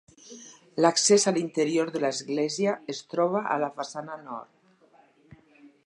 L'accés a l'interior de l'església es troba a la façana nord.